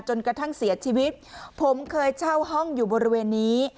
จนกระทั่งเสียชีวิตผมเคยเช่าห้องอยู่บริเวณนี้